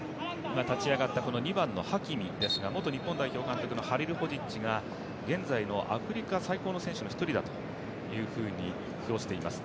立ち上がった２番のハキミですが元日本代表監督のハリルホジッチが現在のアフリカ最高の選手の一人だと評しています。